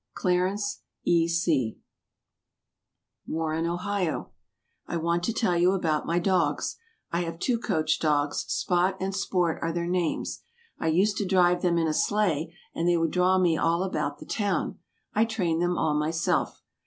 CLARENCE E. C. WARREN, OHIO. I want to tell you about my dogs. I have two coach dogs; Spot and Sport are their names. I used to drive them in a sleigh, and they would draw me all about the town. I trained them all myself.